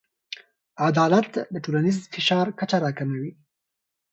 عدالت د ټولنیز فشار کچه راکموي.